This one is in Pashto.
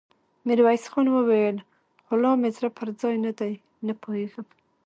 ميرويس خان وويل: خو لا مې زړه پر ځای نه دی، نه پوهېږم!